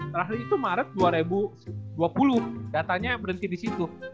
terakhir itu maret dua ribu dua puluh datanya berhenti di situ